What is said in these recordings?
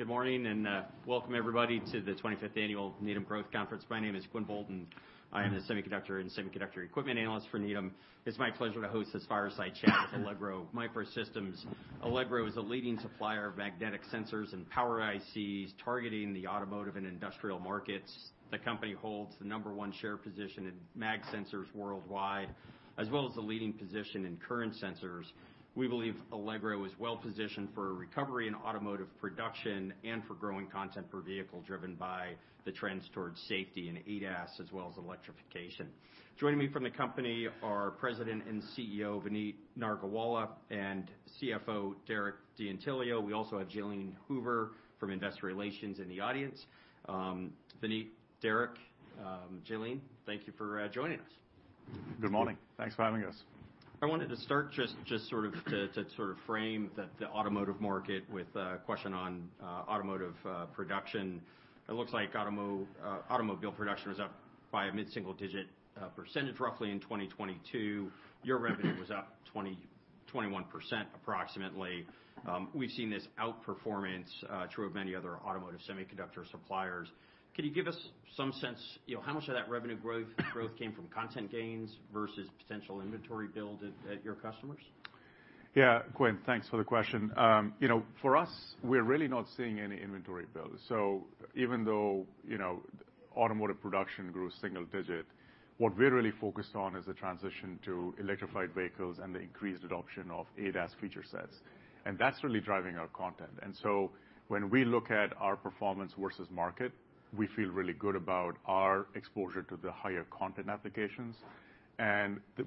Good morning, welcome everybody to the 25th Annual Needham Growth Conference. My name is Quinn Bolton. I am the semiconductor and semiconductor equipment analyst for Needham. It's my pleasure to host this fireside chat with Allegro MicroSystems. Allegro is a leading supplier of magnetic sensors and power ICs targeting the automotive and industrial markets. The company holds the number one share position in mag sensors worldwide, as well as the leading position in current sensors. We believe Allegro is well-positioned for a recovery in automotive production and for growing content per vehicle driven by the trends towards safety and ADAS as well as electrification. Joining me from the company are President and CEO, Vineet Nargolwala and CFO, Derek D'Antilio. We also have Jalene Hoover from Investor Relations in the audience. Vineet, Derek, Jalene, thank you for joining us. Good morning. Thanks for having us. I wanted to start just sort of to frame the automotive market with a question on automotive production. It looks like automobile production was up by a mid-single digit percentage roughly in 2022. Your revenue was up 20, 21% approximately. We've seen this outperformance true of many other automotive semiconductor suppliers. Can you give us some sense, how much of that revenue growth came from content gains versus potential inventory build at your customers? Yeah. Quinn, thanks for the question. You know, for us, we're really not seeing any inventory builds. Even though, automotive production grew single digit, what we're really focused on is the transition to electrified vehicles and the increased adoption of ADAS feature sets. That's really driving our content. When we look at our performance versus market, we feel really good about our exposure to the higher content applications.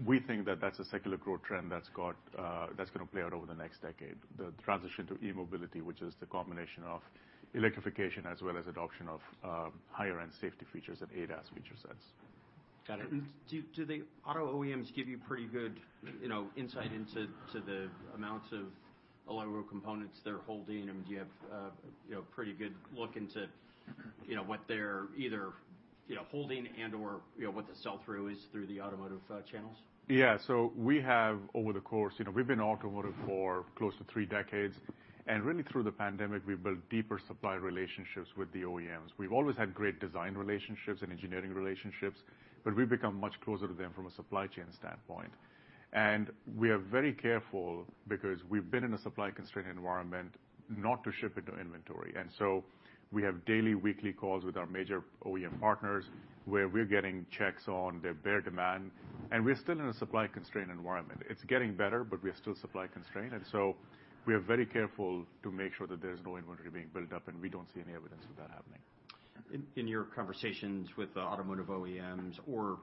We think that that's a secular growth trend that's got, that's gonna play out over the next decade. The transition to e-mobility, which is the combination of electrification as well as adoption of, higher-end safety features and ADAS feature sets. Got it. Do the auto OEMs give you pretty good, insight into the amounts of Allegro components they're holding? I mean, do you have pretty good look into, what they're either, holding and/or, what the sell-through is through the automotive, channels? Yeah. You know, we've been in automotive for close to three decades, and really through the pandemic, we've built deeper supply relationships with the OEMs. We've always had great design relationships and engineering relationships, we've become much closer to them from a supply chain standpoint. We are very careful because we've been in a supply constraint environment not to ship into inventory. We have daily, weekly calls with our major OEM partners, where we're getting checks on their bare demand. We're still in a supply constraint environment. It's getting better, we are still supply constrained, we are very careful to make sure that there's no inventory being built up, and we don't see any evidence of that happening. In your conversations with automotive OEMs or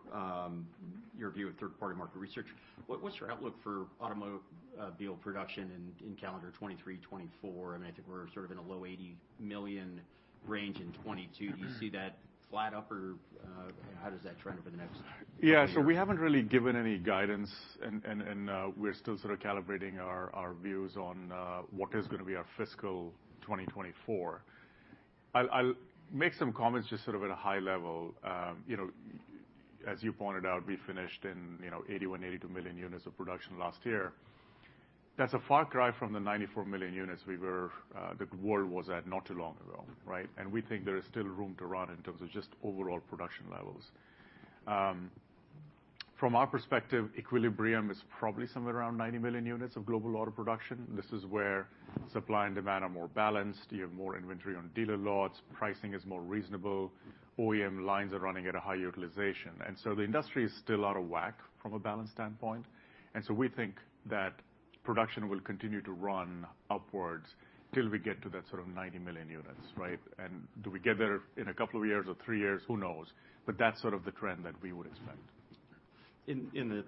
your view of third-party market research, what's your outlook for automobile production in calendar 2023, 2024? I mean, I think we're sort of in a low 80 million range in 2022. Do you see that flat up or how does that trend over the next year? We haven't really given any guidance and we're still sort of calibrating our views on what is gonna be our fiscal 2024. I'll make some comments just sort of at a high level. You know, as you pointed out, we finished in, 81-82 million units of production last year. That's a far cry from the 94 million units we were, the world was at not too long ago, right? We think there is still room to run in terms of just overall production levels. From our perspective, equilibrium is probably somewhere around 90 million units of global auto production. This is where supply and demand are more balanced. You have more inventory on dealer lots. Pricing is more reasonable. OEM lines are running at a high utilization. The industry is still out of whack from a balance standpoint. We think that production will continue to run upwards till we get to that sort of 90 million units, right? Do we get there in a couple of years or three years? Who knows. That's sort of the trend that we would expect. In the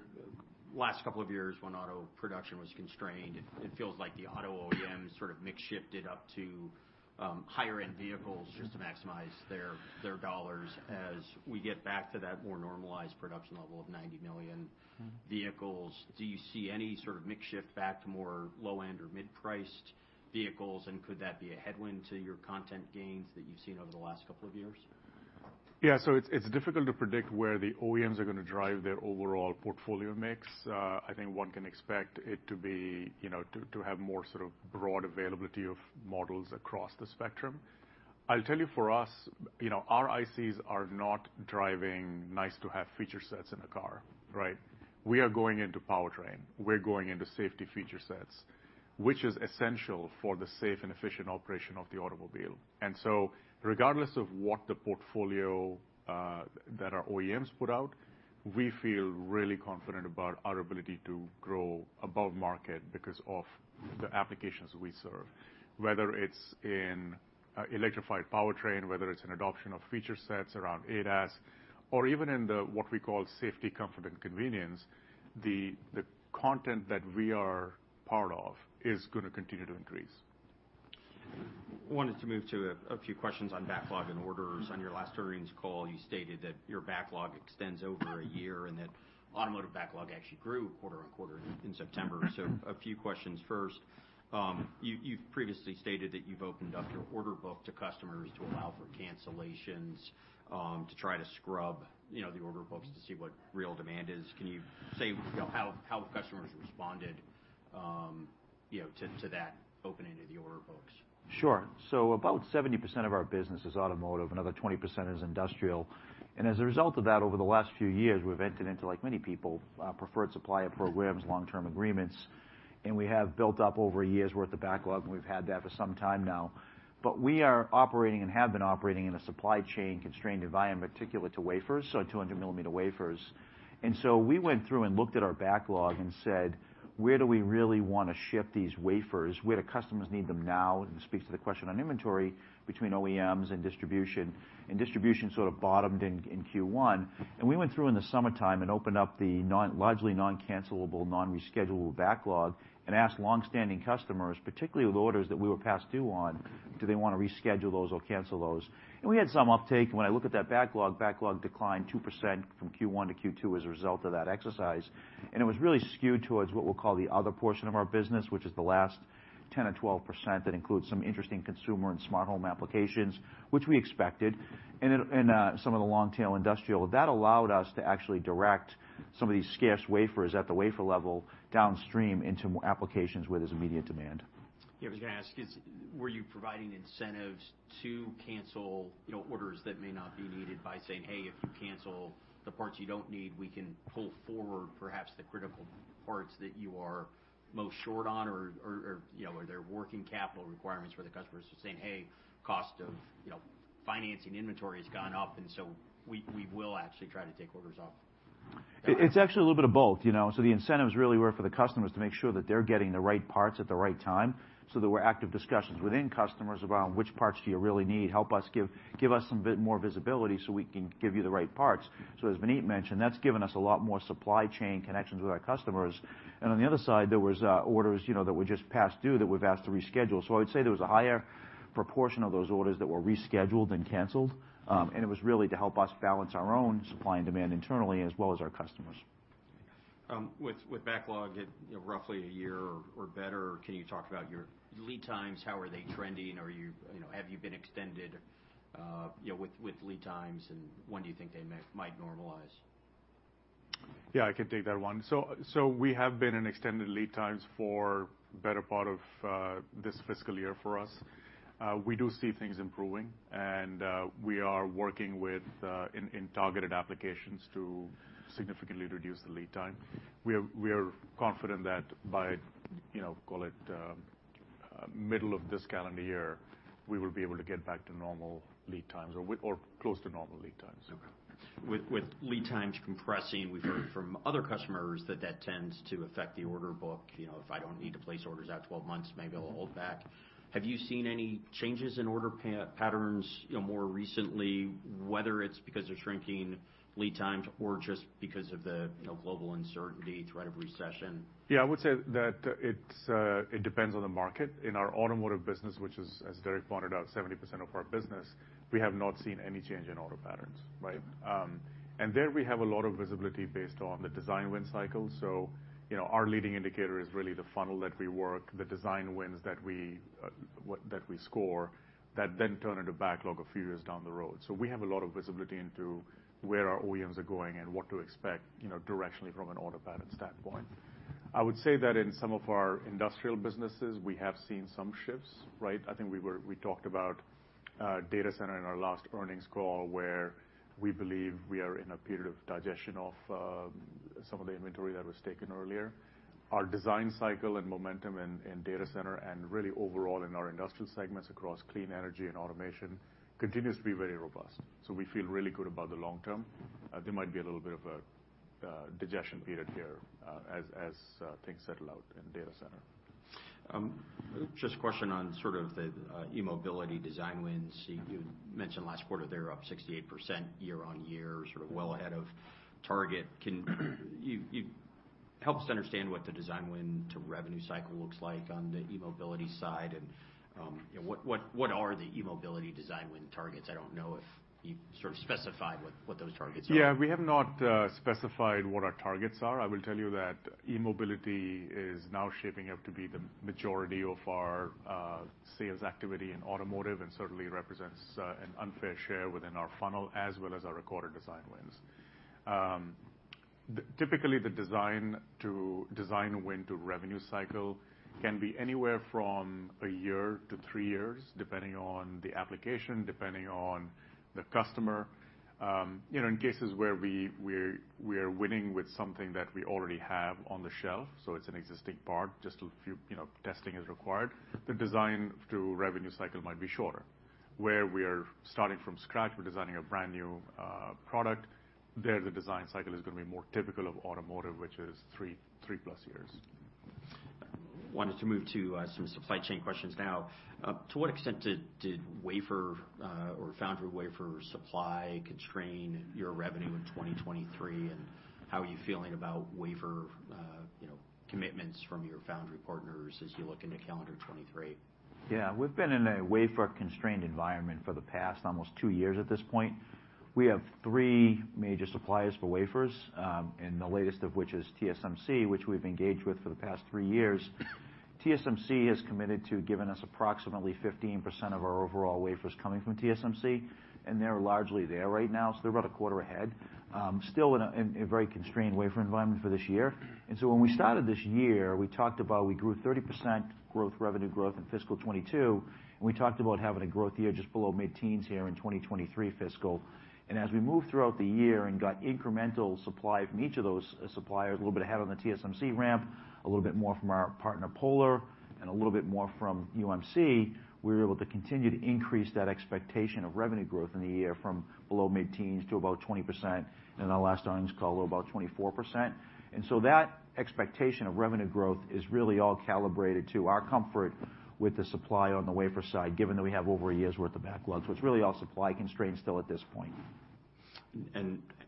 last couple of years when auto production was constrained, it feels like the auto OEM sort of mix shifted up to higher end vehicles just to maximize their dollars. As we get back to that more normalized production level of 90 million vehicles, do you see any sort of mix shift back to more low-end or mid-priced vehicles? Could that be a headwind to your content gains that you've seen over the last couple of years? It's difficult to predict where the OEMs are gonna drive their overall portfolio mix. I think one can expect it to be, to have more sort of broad availability of models across the spectrum. I'll tell you, for us, our ICs are not driving nice to have feature sets in a car, right? We are going into powertrain. We're going into safety feature sets, which is essential for the safe and efficient operation of the automobile. Regardless of what the portfolio that our OEMs put out, we feel really confident about our ability to grow above market because of the applications we serve. Whether it's in electrified powertrain, whether it's in adoption of feature sets around ADAS, or even in the what we call safety, comfort, and convenience, the content that we are part of is gonna continue to increase. Wanted to move to a few questions on backlog and orders. On your last earnings call, you stated that your backlog extends over a year and that automotive backlog actually grew quarter-on-quarter in September. A few questions. First, you've previously stated that you've opened your order book to customers to allow for cancellations, to try to scrub, the order books to see what real demand is. Can you say, how customers responded, to that opening of the order books? Sure. About 70% of our business is automotive, another 20% is industrial. As a result of that, over the last few years, we've entered into, like many people, preferred supplier programs, long-term agreements. We have built up over a year's worth of backlog, and we've had that for some time now. We are operating and have been operating in a supply chain-constrained environment, particular to wafers, so 200 millimeter wafers. We went through and looked at our backlog and said, "Where do we really wanna ship these wafers? Where do customers need them now?" It speaks to the question on inventory between OEMs and distribution. Distribution sort of bottomed in Q1. We went through in the summertime and opened up the non- largely non-cancellable, non-reschedule backlog and asked longstanding customers, particularly with orders that we were past due on, do they wanna reschedule those or cancel those? We had some uptake. When I look at that backlog declined 2% from Q1-Q2 as a result of that exercise. It was really skewed towards what we'll call the other portion of our business, which is the last 10% or 12%. That includes some interesting consumer and smart home applications, which we expected, and some of the long tail industrial. That allowed us to actually direct some of these scarce wafers at the wafer level downstream into applications where there's immediate demand. Yeah. I was gonna ask, were you providing incentives to cancel, orders that may not be needed by saying, "Hey, if you cancel the parts you don't need, we can pull forward perhaps the critical parts that you are most short on." Or, you know, are there working capital requirements where the customer is just saying, "Hey, cost of, you know, financing inventory has gone up, and so we will actually try to take orders off? It's actually a little bit of both, you know. The incentives really were for the customers to make sure that they're getting the right parts at the right time. There were active discussions within customers around which parts do you really need? Help us give us some bit more visibility so we can give you the right parts. As Vineet mentioned, that's given us a lot more supply chain connections with our customers. On the other side, there was orders, you know, that were just past due that we've asked to reschedule. I would say there was a higher proportion of those orders that were rescheduled and canceled, and it was really to help us balance our own supply and demand internally as well as our customers. With backlog at, you know, roughly a year or better, can you talk about your lead times? How are they trending? Are you know, have you been extended with lead times, and when do you think they might normalize? Yeah, I can take that one. We have been in extended lead times for better part of this fiscal year for us. We do see things improving, and we are working with in targeted applications to significantly reduce the lead time. We are confident that by, you know, call it, middle of this calendar year, we will be able to get back to normal lead times or close to normal lead times. Okay. With lead times compressing, we've heard from other customers that that tends to affect the order book. You know, if I don't need to place orders out 12 months, maybe I'll hold back. Have you seen any changes in order patterns, you know, more recently, whether it's because of shrinking lead times or just because of the, you know, global uncertainty, threat of recession? Yeah. I would say that it's, it depends on the market. In our automotive business, which is, as Derek pointed out, 70% of our business, we have not seen any change in order patterns, right? There we have a lot of visibility based on the design win cycle. You know, our leading indicator is really the funnel that we work, the design wins that we score, that then turn into backlog a few years down the road. We have a lot of visibility into where our OEMs are going and what to expect, you know, directionally from an order pattern standpoint. I would say that in some of our industrial businesses, we have seen some shifts, right? I think we talked about data center in our last earnings call, where we believe we are in a period of digestion of some of the inventory that was taken earlier. Our design cycle and momentum in data center and really overall in our industrial segments across clean energy and automation continues to be very robust. We feel really good about the long term. There might be a little bit of a digestion period here, as things settle out in data center. Just a question on sort of the e-mobility design wins. You mentioned last quarter they were up 68% year-on-year, sort of well ahead of target. Can you help us understand what the design win to revenue cycle looks like on the e-mobility side and, what are the e-mobility design win targets? I don't know if you sort of specified what those targets are. We have not specified what our targets are. I will tell you that e-mobility is now shaping up to be the majority of our sales activity in automotive and certainly represents an unfair share within our funnel as well as our recorded design wins. Typically, the design to design win to revenue cycle can be anywhere from one year -three years, depending on the application, depending on the customer. You know, in cases where we are winning with something that we already have on the shelf, so it's an existing part, just a few, you know, testing is required, the design to revenue cycle might be shorter. Where we are starting from scratch, we're designing a brand-new product, there, the design cycle is gonna be more typical of automotive, which is three-plus years. Wanted to move to, some supply chain questions now. To what extent did wafer, or foundry wafer supply constrain your revenue in 2023, and how are you feeling about wafer, you know, commitments from your foundry partners as you look into calendar 2023? Yeah. We've been in a wafer-constrained environment for the past almost two years at this point. We have three major suppliers for wafers, and the latest of which is TSMC, which we've engaged with for the past three years. TSMC has committed to giving us approximately 15% of our overall wafers coming from TSMC, and they're largely there right now, so they're about a quarter ahead. Still in a very constrained wafer environment for this year. When we started this year, we talked about we grew 30% growth revenue growth in fiscal 2022, and we talked about having a growth year just below mid-teens here in 2023 fiscal. As we moved throughout the year and got incremental supply from each of those suppliers, a little bit ahead on the TSMC ramp, a little bit more from our partner, Polar, and a little bit more from UMC, we were able to continue to increase that expectation of revenue growth in the year from below mid-teens to about 20%. In our last earnings call, about 24%. That expectation of revenue growth is really all calibrated to our comfort with the supply on the wafer side, given that we have over a year's worth of backlogs, so it's really all supply constrained still at this point.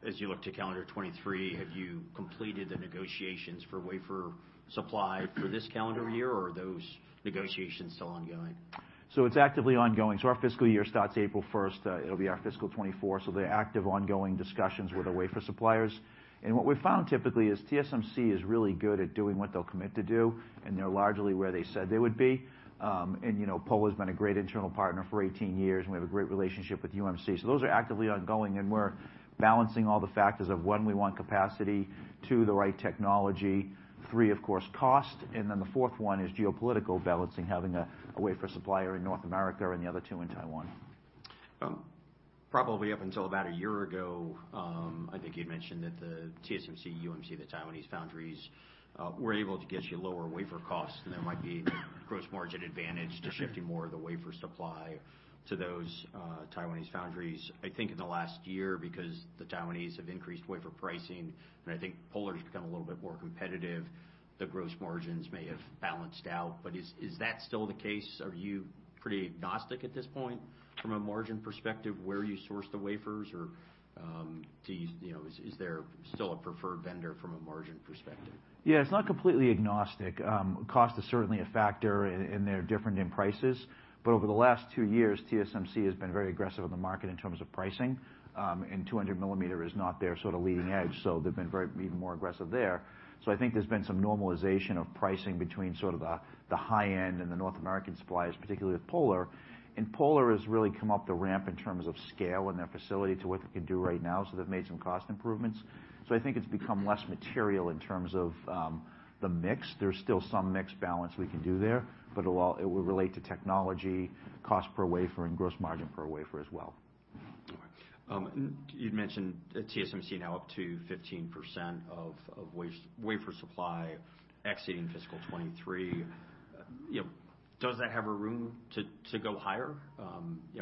As you look to calendar 2023, have you completed the negotiations for wafer supply for this calendar year, or are those negotiations still ongoing? It's actively ongoing. Our fiscal year starts 1st April. It'll be our fiscal 24, so they're active, ongoing discussions with the wafer suppliers. What we've found typically is TSMC is really good at doing what they'll commit to do, and they're largely where they said they would be. You know, Polar's been a great internal partner for 18 years, and we have a great relationship with UMC. Those are actively ongoing, and we're balancing all the factors of, one, we want capacity. Two, the right technology. Three, of course, cost. And then the fourth one is geopolitical balancing, having a wafer supplier in North America and the other two in Taiwan. Probably up until about a year ago, I think you'd mentioned that the TSMC, UMC, the Taiwanese foundries, were able to get you lower wafer costs, and there might be gross margin advantage to shifting more of the wafer supply to those Taiwanese foundries. I think in the last year, because the Taiwanese have increased wafer pricing, and I think Polar's become a little bit more competitive, the gross margins may have balanced out. Is that still the case? Are you pretty agnostic at this point from a margin perspective, where you source the wafers? Or, do you know, is there still a preferred vendor from a margin perspective? It's not completely agnostic. Cost is certainly a factor, and they're different in prices. Over the last two years, TSMC has been very aggressive in the market in terms of pricing. 200 millimeter is not their sort of leading edge, so they've been very even more aggressive there. I think there's been some normalization of pricing between sort of the high end and the North American suppliers, particularly with Polar. Polar has really come up the ramp in terms of scale in their facility to what they can do right now, so they've made some cost improvements. I think it's become less material in terms of the mix. There's still some mix balance we can do there, but it will relate to technology, cost per wafer, and gross margin per wafer as well. Okay. You'd mentioned TSMC now up to 15% of wafer supply exiting fiscal 2023. You know, does that have a room to go higher?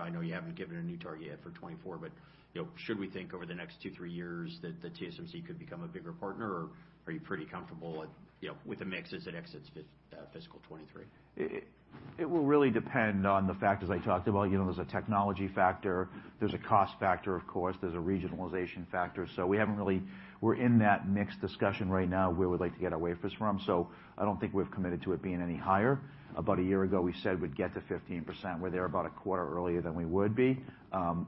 I know you haven't given a new target yet for 2024, but, you know, should we think over the next two, three years that the TSMC could become a bigger partner, or are you pretty comfortable at, you know, with the mix as it exits fiscal 2023? It will really depend on the factors I talked about. You know, there's a technology factor. There's a cost factor, of course. There's a regionalization factor. We haven't really, we're in that mix discussion right now, where we'd like to get our wafers from. I don't think we've committed to it being any higher. About a year ago, we said we'd get to 15%. We're there about a quarter earlier than we would be.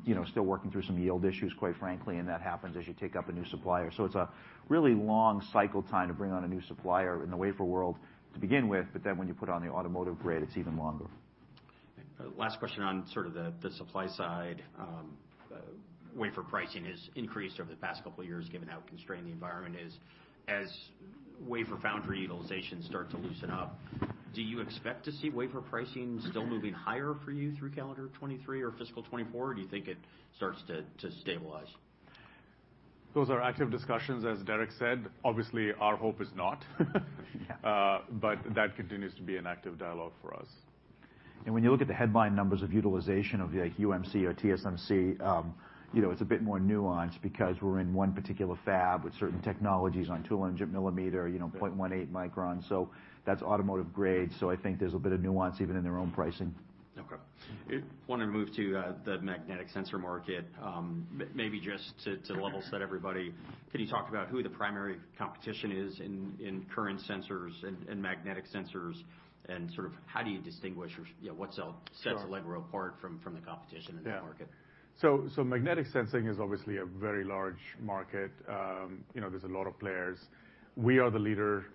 You know, still working through some yield issues, quite frankly, and that happens as you take up a new supplier. It's a really long cycle time to bring on a new supplier in the wafer world to begin with, when you put on the automotive grade, it's even longer. Last question on the supply side. Wafer pricing has increased over the past couple of years given how constrained the environment is. As wafer foundry utilization start to loosen up, do you expect to see wafer pricing still moving higher for you through calendar 2023 or fiscal 2024, or do you think it starts to stabilize? Those are active discussions, as Derek said. Obviously, our hope is not. That continues to be an active dialogue for us. When you look at the headline numbers of utilization of a UMC or TSMC, you know, it's a bit more nuanced because we're in one particular fab with certain technologies on 200 millimeter, you know, 0.18 microns. That's automotive grade, so I think there's a bit of nuance even in their own pricing. Okay. I wanted to move to the magnetic sensor market. Maybe just to level set everybody, can you talk about who the primary competition is in current sensors and magnetic sensors, and sort of how do you distinguish or, you know, what sets Allegro apart from the competition in the market? Yeah. So magnetic sensing is obviously a very large market. You know, there's a lot of players. We are the leader,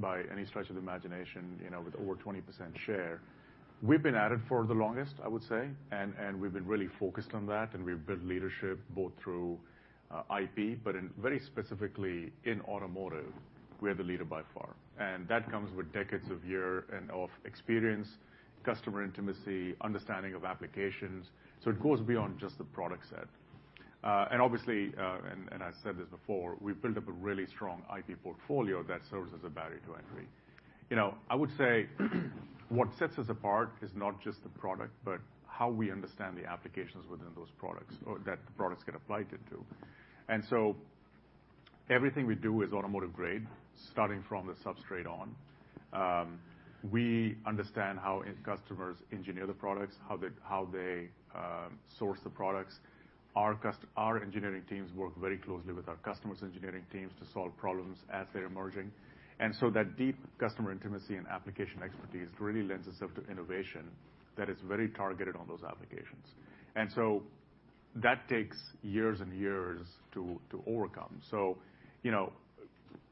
by any stretch of the imagination, you know, with over 20% share. We've been at it for the longest, I would say, and we've been really focused on that, and we've built leadership both through IP, but in very specifically in automotive, we are the leader by far. That comes with decades of year and of experience, customer intimacy, understanding of applications. It goes beyond just the product set. Obviously, and I've said this before, we've built up a really strong IP portfolio that serves as a barrier to entry. You know, I would say what sets us apart is not just the product, but how we understand the applications within those products or that the products get applied into. Everything we do is automotive grade, starting from the substrate on. We understand how customers engineer the products, how they source the products. Our engineering teams work very closely with our customers' engineering teams to solve problems as they're emerging. That deep customer intimacy and application expertise really lends itself to innovation that is very targeted on those applications. That takes years and years to overcome. You know,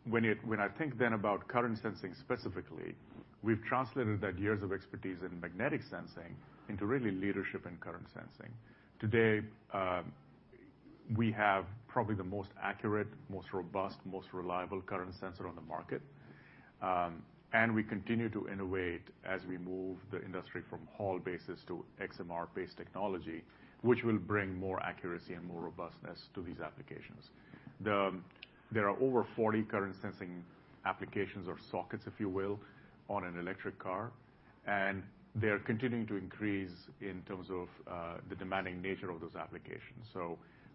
when I think then about current sensing specifically, we've translated that years of expertise in magnetic sensing into really leadership in current sensing. Today, we have probably the most accurate, most robust, most reliable current sensor on the market. We continue to innovate as we move the industry from Hall-based to XMR-based technology, which will bring more accuracy and more robustness to these applications. There are over 40 current sensing applications or sockets, if you will, on an electric car, and they're continuing to increase in terms of the demanding nature of those applications.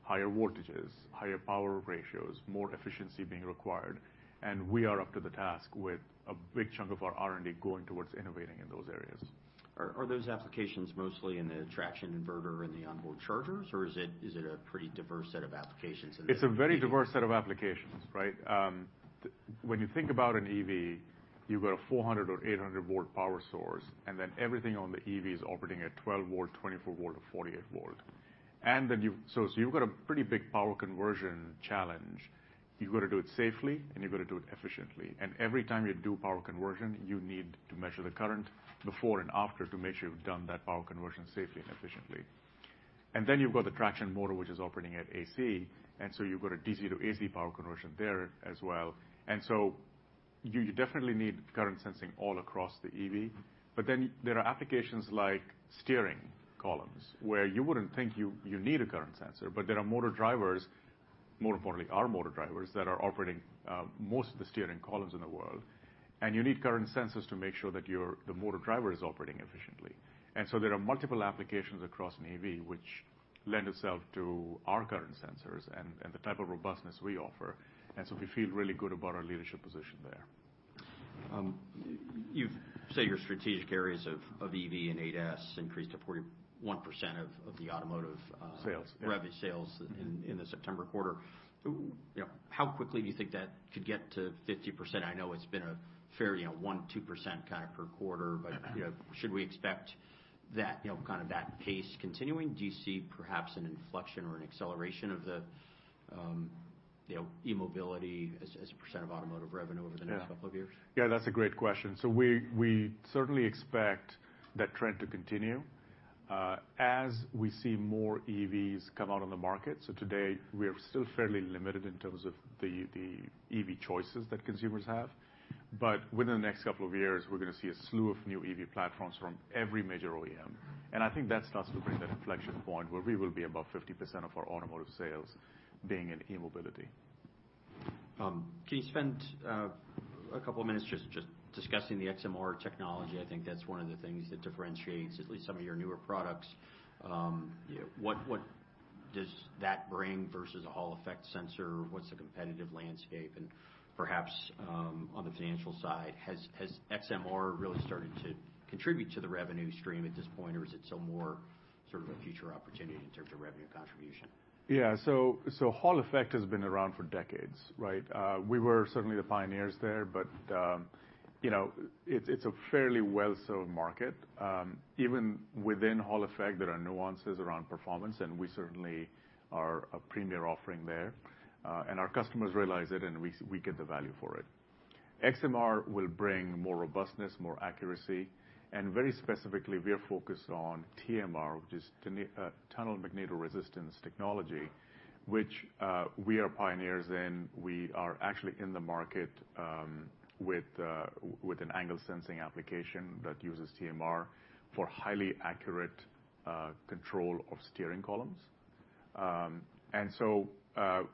Higher voltages, higher power ratios, more efficiency being required. We are up to the task with a big chunk of our R&D going towards innovating in those areas. Are those applications mostly in the traction inverter and the onboard chargers, or is it a pretty diverse set of applications in the EV? It's a very diverse set of applications, right? When you think about an EV, you've got a 400 or 800-volt power source, everything on the EV's operating at 12- volt, 24-volt or 48-volt. So, you've got a pretty big power conversion challenge. You've got to do it safely and you've got to do it efficiently. Every time you do power conversion, you need to measure the current before and after to make sure you've done that power conversion safely and efficiently. You've got the traction motor, which is operating at AC, you've got a DC-to-AC power conversion there as well. You definitely need current sensing all across the EV. There are applications like steering columns where you wouldn't think you need a current sensor, there are motor drivers, more importantly, our motor drivers that are operating most of the steering columns in the world. You need current sensors to make sure that the motor driver is operating efficiently. There are multiple applications across an EV which lend itself to our current sensors and the type of robustness we offer. We feel really good about our leadership position there. You say your strategic areas of EV and ADAS increased to 41% of the automotive Sales. Revenue sales in the September quarter. You know, how quickly do you think that could get to 50%? I know it's been a fairly, you know, 1%- 2% kind of per quarter, but, you know, should we expect that, you know, kind of that pace continuing? Do you see perhaps an inflection or an acceleration of the, you know, e-mobility as a percent of automotive revenue over the next couple of years? Yeah, that's a great question. We certainly expect that trend to continue as we see more EVs come out on the market. Today, we are still fairly limited in terms of the EV choices that consumers have. Within the next couple of years, we're gonna see a slew of new EV platforms from every major OEM. I think that starts to bring that inflection point where we will be above 50% of our automotive sales being in e-mobility. Can you spend a couple of minutes just discussing the XMR technology? I think that's one of the things that differentiates at least some of your newer products. What does that bring versus a Hall effect sensor? What's the competitive landscape? Perhaps on the financial side, has XMR really started to contribute to the revenue stream at this point, or is it still more sort of a future opportunity in terms of revenue contribution? Yeah. Hall effect has been around for decades, right? We were certainly the pioneers there, but, you know, it's a fairly well-served market. Even within Hall effect, there are nuances around performance, and we certainly are a premier offering there. Our customers realize it and we get the value for it. XMR will bring more robustness, more accuracy. Very specifically, we are focused on TMR, which is tunnel magnetoresistance technology, which we are pioneers in. We are actually in the market with an angle sensing application that uses TMR for highly accurate control of steering columns.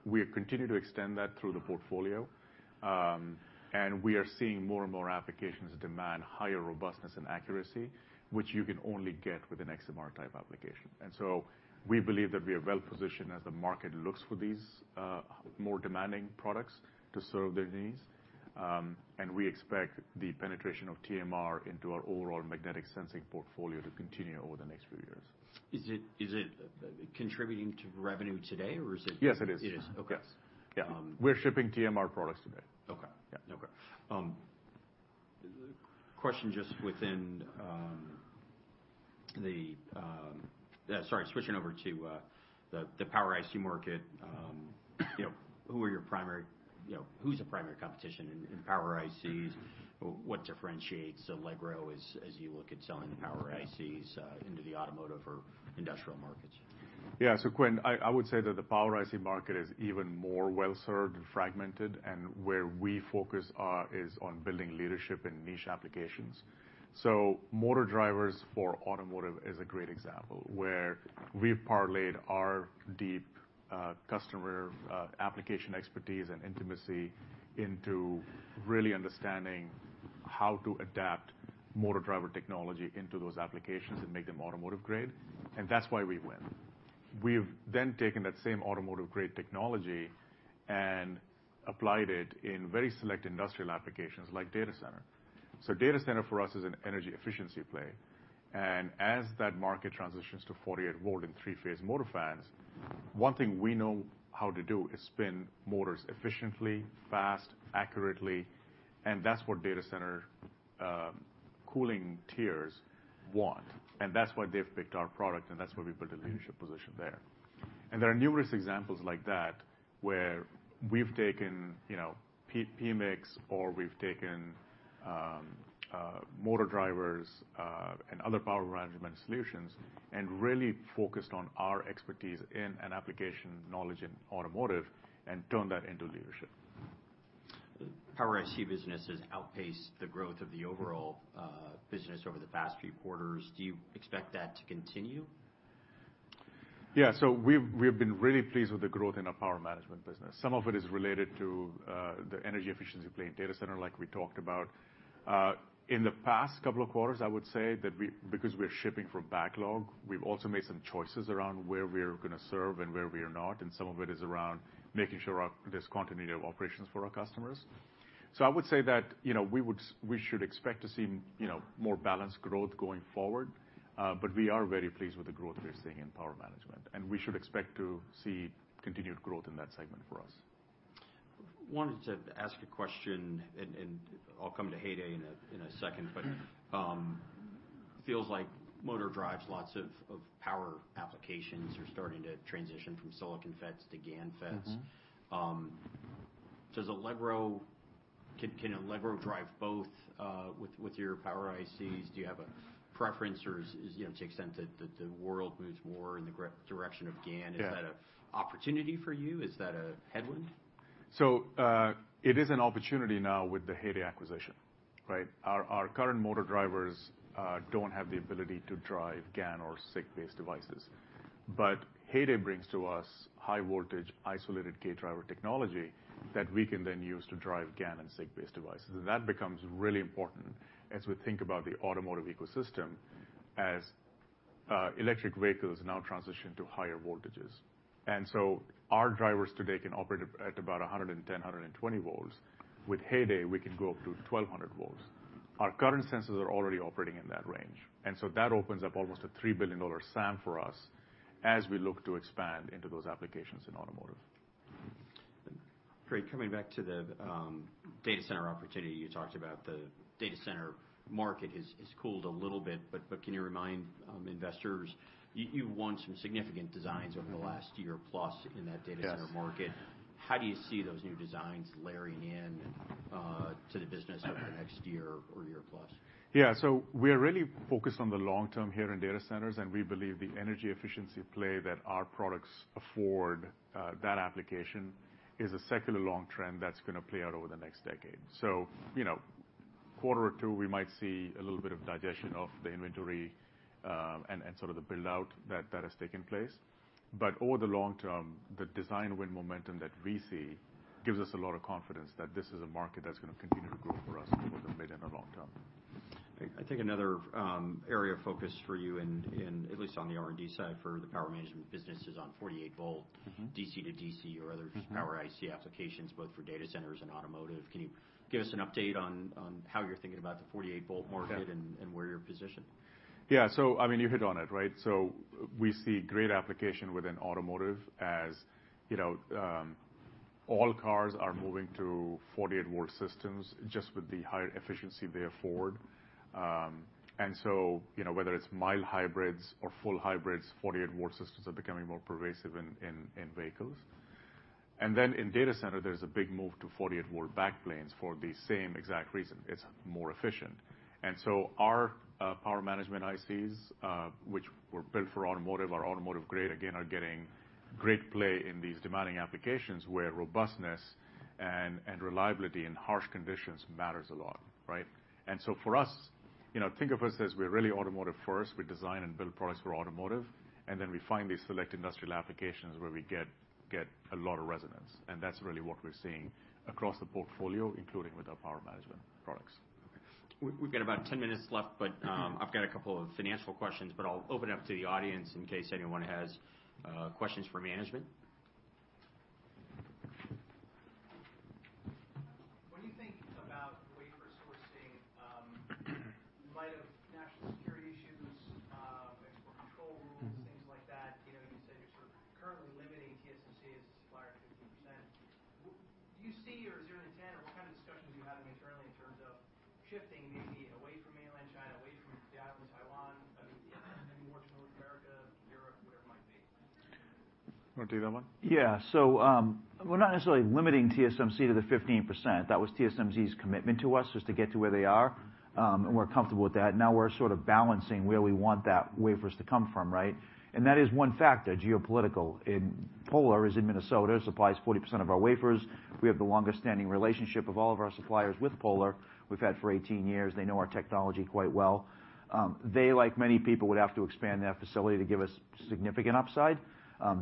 We continue to extend that through the portfolio. We are seeing more and more applications demand higher robustness and accuracy, which you can only get with an XMR type application. We believe that we are well positioned as the market looks for these more demanding products to serve their needs. We expect the penetration of TMR into our overall magnetic sensing portfolio to continue over the next few years. Is it contributing to revenue today? Yes, it is. It is. Okay. Yes. Yeah. Um- We're shipping TMR products today. Okay. Yeah. No problem. Question just within the power IC market. You know, who's the primary competition in power ICs? What differentiates Allegro as you look at selling power ICs into the automotive or industrial markets? Quinn, I would say that the power IC market is even more well-served and fragmented. Where we focus is on building leadership in niche applications. Motor drivers for automotive is a great example, where we've parlayed our deep customer application expertise and intimacy into really understanding how to adapt motor driver technology into those applications and make them automotive grade. That's why we win. We've then taken that same automotive grade technology and applied it in very select industrial applications like data center. Data center for us is an energy efficiency play. As that market transitions to 48-volt and three-phase motor fans. One thing we know how to do is spin motors efficiently, fast, accurately, and that's what data center cooling tiers want. That's why they've picked our product, and that's why we built a leadership position there. There are numerous examples like that where we've taken, you know, PMICs or we've taken motor drivers and other power management solutions and really focused on our expertise in an application knowledge in automotive and turned that into leadership. Power IC businesses outpace the growth of the overall business over the past few quarters. Do you expect that to continue? We've been really pleased with the growth in our power management business. Some of it is related to the energy efficiency play in data center, like we talked about. In the past couple of quarters, I would say that because we're shipping from backlog, we've also made some choices around where we're gonna serve and where we're not, and some of it is around making sure there's continuity of operations for our customers. I would say that, you know, we should expect to see, you know, more balanced growth going forward. We are very pleased with the growth we're seeing in power management, and we should expect to see continued growth in that segment for us. Wanted to ask a question and I'll come to Heyday in a second. Feels like motor drives, lots of power applications are starting to transition from silicon FETs to GaN FETs. Mm-hmm. Does Allegro can Allegro drive both with your power ICs? Do you have a preference, or you know, to the extent that the world moves more in the direction of GaN. Yeah. Is that a opportunity for you? Is that a headwind? It is an opportunity now with the Heyday acquisition, right? Our current motor drivers don't have the ability to drive GaN or SiC-based devices, Heyday brings to us high voltage isolated gate driver technology that we can then use to drive GaN and SiC-based devices. That becomes really important as we think about the automotive ecosystem as electric vehicles now transition to higher voltages. Our drivers today can operate at about 110, 120-volts. With Heyday, we can go up to 1,200-volts. Our current sensors are already operating in that range, that opens up almost a $3 billion SAM for us as we look to expand into those applications in automotive. Great. Coming back to the data center opportunity you talked about. The data center market has cooled a little bit, but can you remind investors you won some significant designs over the last year plus in that data center market? Yes. How do you see those new designs layering in to the business over the next year or year plus? Yeah. We're really focused on the long term here in data centers, and we believe the energy efficiency play that our products afford, that application is a secular long trend that's gonna play out over the next decade. You know, quarter or two, we might see a little bit of digestion of the inventory, and sort of the build-out that has taken place. Over the long term, the design win momentum that we see gives us a lot of confidence that this is a market that's gonna continue to grow for us over the mid and the long term. I think another area of focus for you in at least on the R&D side for the power management business is on 48-volt. Mm-hmm. DC-to-DC or other power IC applications both for data centers and automotive. Can you give us an update on how you're thinking about the 48-volt market? Yeah. Where you're positioned? Yeah. I mean, you hit on it, right? We see great application within automotive as, you know, all cars are moving to 48-volt systems just with the higher efficiency they afford. You know, whether it's mild hybrids or full hybrids, 48-volt systems are becoming more pervasive in vehicles. In data center, there's a big move to 48-volt backplanes for the same exact reason. It's more efficient. Our power management ICs, which were built for automotive, are automotive grade, again, are getting great play in these demanding applications where robustness and reliability in harsh conditions matters a lot, right? For us, you know, think of us as we're really automotive first. We design and build products for automotive. Then we find these select industrial applications where we get a lot of resonance. That's really what we're seeing across the portfolio, including with our power management products. We've got about ten minutes left, but I've got a couple of financial questions, but I'll open up to the audience in case anyone has questions for management.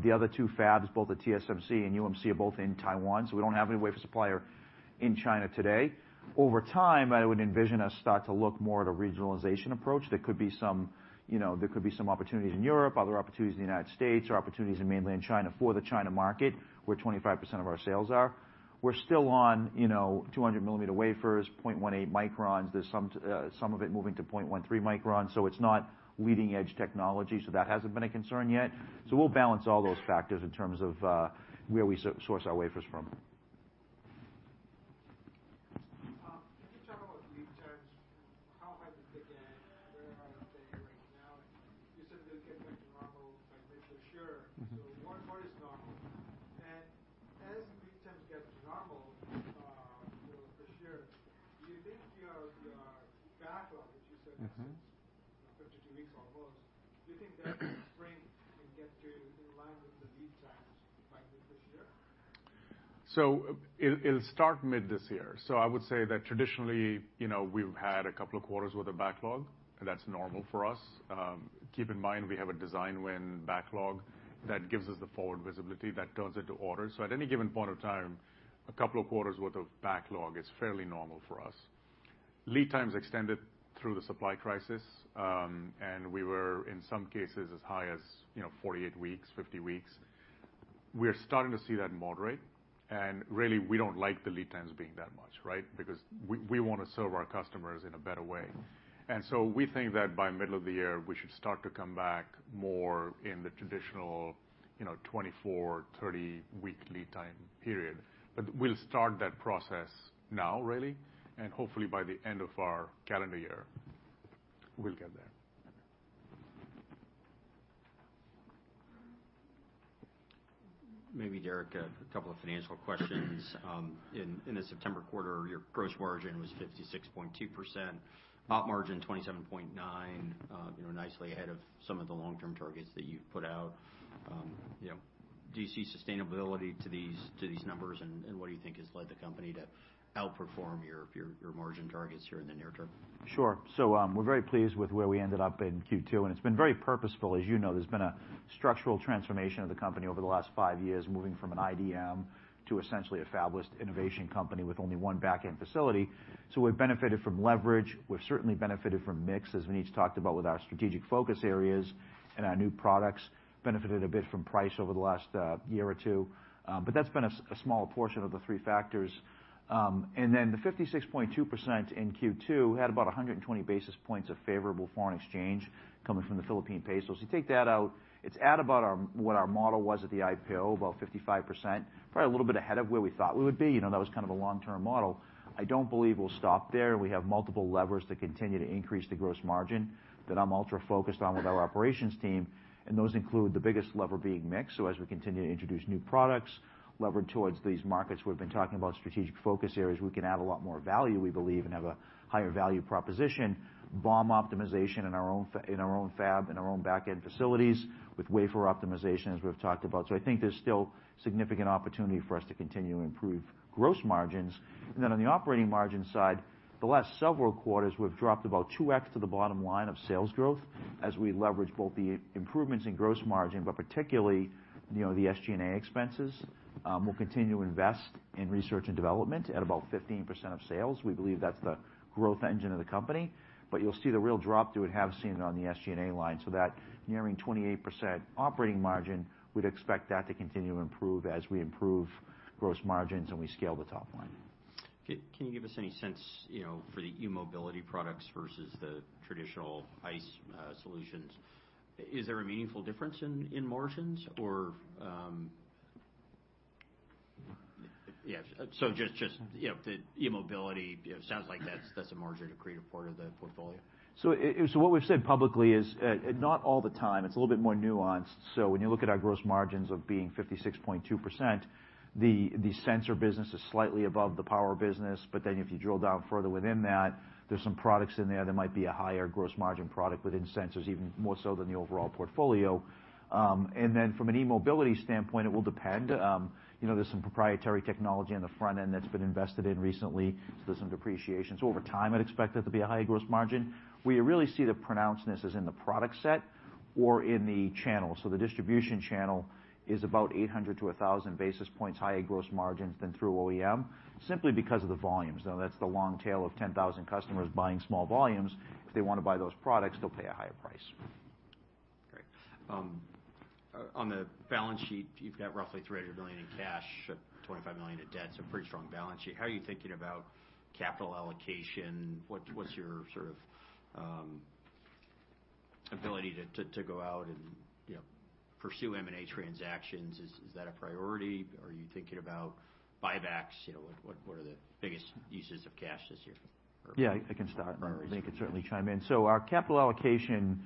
The other two fabs, both the TSMC and UMC, are both in Taiwan, so we don't have any wafer supplier in China today. Over time, I would envision us start to look more at a regionalization approach. There could be some, you know, there could be some opportunities in Europe, other opportunities in the U.S. or opportunities in mainland China for the China market, where 25% of our sales are. We're still on, you know, 200 millimeter wafers, 0.18 microns. There's some of it moving to 0.13-micron, so it's not leading edge technology, so that hasn't been a concern yet. We'll balance all those factors in terms of where we source our wafers from. Can you talk about lead times, how hard did they get? Very hard, I think, right now. You said they'll get back to normal by mid-this year. Mm-hmm. What is normal? As lead times get to normal, for this year, do you think your backlog, which you said is? Mm-hmm You know, 52 weeks or close, do you think that spring can get to in line with the lead times by mid-this year? It'll start mid-this year. I would say that traditionally, you know, we've had a couple of quarters with a backlog. That's normal for us. Keep in mind we have a design win backlog that gives us the forward visibility that turns into orders. At any given point of time, a couple of quarters worth of backlog is fairly normal for us. Lead times extended through the supply crisis, and we were in some cases as high as, you know, 48 weeks-50 weeks. We're starting to see that moderate and really we don't like the lead times being that much, right? Because we wanna serve our customers in a better way. We think that by middle of the year we should start to come back more in the traditional, you know, 24, 30-week lead time period. We'll start that process now really, and hopefully by the end of our calendar year we'll get there. Okay. Maybe Derrick, a couple of financial questions. In the September quarter, your gross margin was 56.2%. Op margin 27.9%, you know, nicely ahead of some of the long-term targets that you've put out. You know, do you see sustainability to these numbers? What do you think has led the company to outperform your margin targets here in the near term? Sure. We're very pleased with where we ended up in Q2, and it's been very purposeful. As you know, there's been a structural transformation of the company over the last five years, moving from an IDM to essentially a fabless innovation company with only one backend facility. We've benefited from leverage. We've certainly benefited from mix, as Vineet's talked about with our strategic focus areas and our new products. Benefited a bit from price over the last year or two. But that's been a small portion of the three factors. The 56.2% in Q2, we had about 120 basis points of favorable foreign exchange coming from the Philippine pesos. You take that out, it's at about what our model was at the IPO, about 55%, probably a little bit ahead of where we thought we would be. You know, that was kind of a long-term model. I don't believe we'll stop there. We have multiple levers to continue to increase the gross margin that I'm ultra focused on with our operations team, and those include the biggest lever being mix. As we continue to introduce new products levered towards these markets, we've been talking about strategic focus areas, we can add a lot more value, we believe, and have a higher value proposition. BOM optimization in our own fab, in our own backend facilities with wafer optimization, as we've talked about. I think there's still significant opportunity for us to continue to improve gross margins. On the operating margin side, the last several quarters, we've dropped about 2x to the bottom line of sales growth as we leverage both the improvements in gross margin, but particularly, you know, the SG&A expenses. We'll continue to invest in research and development at about 15% of sales. We believe that's the growth engine of the company. You'll see the real drop to it have seen on the SG&A line. That nearing 28% operating margin, we'd expect that to continue to improve as we improve gross margins and we scale the top line. Can you give us any sense, you know, for the e-mobility products versus the traditional ICE solutions, is there a meaningful difference in margins? Yeah. Just, you know, the e-mobility, you know, sounds like that's a margin accretive part of the portfolio. What we've said publicly is, not all the time, it's a little bit more nuanced. When you look at our gross margins of being 56.2%, the sensor business is slightly above the power business. If you drill down further within that, there's some products in there that might be a higher gross margin product within sensors, even more so than the overall portfolio. From an e-mobility standpoint, it will depend. You know, there's some proprietary technology on the front end that's been invested in recently, so there's some depreciation. Over time, I'd expect that to be a higher gross margin. Where you really see the pronouncedness is in the product set or in the channel. The distribution channel is about 800 to 1,000 basis points higher gross margins than through OEM, simply because of the volumes. That's the long tail of 10,000 customers buying small volumes. If they wanna buy those products, they'll pay a higher price. Great. On the balance sheet, you've got roughly $300 million in cash, $25 million in debt. Pretty strong balance sheet. How are you thinking about capital allocation? What's your sort of ability to go out and, pursue M&A transactions? Is that a priority? Are you thinking about buybacks? You know, what are the biggest uses of cash this year? Yeah, I can start. priorities for the year? Vineet can certainly chime in. Our capital allocation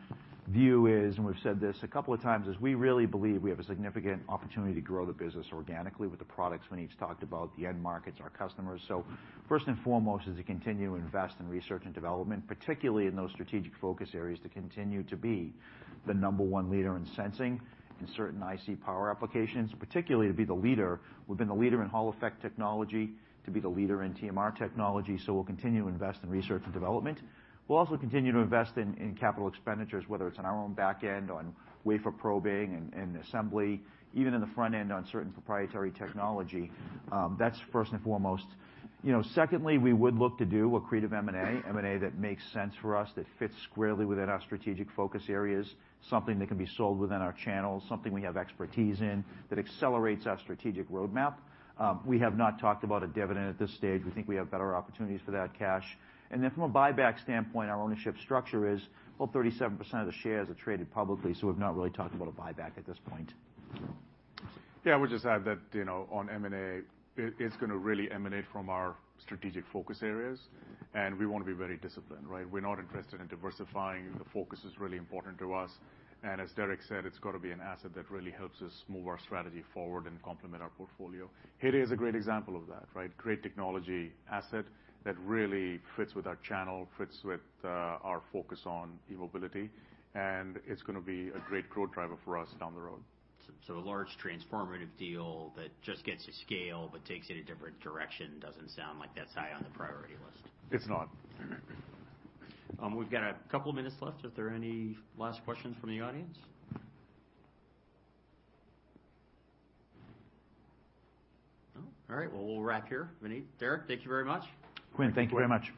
view is, and we've said this a couple of times, is we really believe we have a significant opportunity to grow the business organically with the products Vineet's talked about, the end markets, our customers. First and foremost is to continue to invest in research and development, particularly in those strategic focus areas, to continue to be the number one leader in sensing, in certain IC power applications, particularly to be the leader, we've been the leader in Hall Effect technology, to be the leader in TMR technology. We'll continue to invest in research and development. We'll also continue to invest in capital expenditures, whether it's on our own backend, on wafer probing and assembly, even in the front end on certain proprietary technology. That's first and foremost. You know, secondly, we would look to do accretive M&A, M&A that makes sense for us, that fits squarely within our strategic focus areas, something that can be sold within our channels, something we have expertise in that accelerates our strategic roadmap. We have not talked about a dividend at this stage. We think we have better opportunities for that cash. From a buyback standpoint, our ownership structure is, well, 37% of the shares are traded publicly, so we've not really talked about a buyback at this point. Yeah. I would just add that, you know, on M&A, it's gonna really emanate from our strategic focus areas, and we wanna be very disciplined, right? We're not interested in diversifying. The focus is really important to us, and as Derek said, it's gotta be an asset that really helps us move our strategy forward and complement our portfolio. Here is a great example of that, right? Great technology asset that really fits with our channel, fits with our focus on e-mobility, and it's gonna be a great growth driver for us down the road. A large transformative deal that just gets to scale but takes it a different direction doesn't sound like that's high on the priority list. It's not. We've got a couple minutes left. If there are any last questions from the audience? No? All right, well, we'll wrap here. Vineet, Derek, thank you very much. Quinn, thank you very much.